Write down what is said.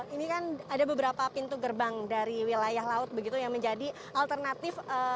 ini kan ada beberapa pintu gerbang dari wilayah laut begitu yang menjadi alternatif